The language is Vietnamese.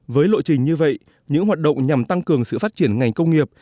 với lộ trình như vậy những hoạt động nhằm tăng cường sự phát triển ngành công nghiệp